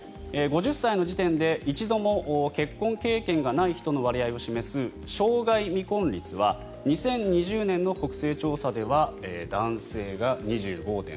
５０歳の時点で一度も結婚経験がない人の割合を示す生涯未婚率は２０２０年の国勢調査では男性が２５．７％